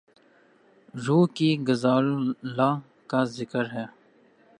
روح کی غذا اللہ کا ذکر ہے۔